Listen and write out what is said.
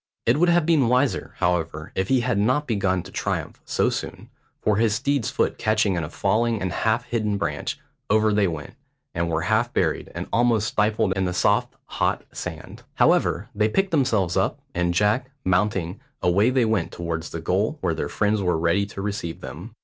It would have been wiser, however, if he had not begun to triumph so soon, for his steed's foot catching in a falling and half hidden branch, over they both went, and were half buried and almost stifled in the soft hot sand. However, they picked themselves up; and, Jack, mounting, away they went towards the goal where their friends were ready to receive them.